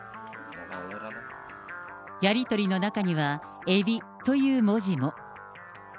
やり取りの中には、エビという文字も。